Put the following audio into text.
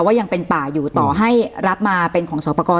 ยังเป็นป่าอยู่ต่อให้รับมาเป็นของสอบประกอบ